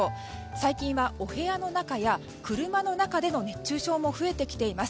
最近は、お部屋の中や車の中での熱中症も増えてきています。